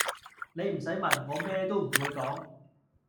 你唔洗問，我咩都唔會講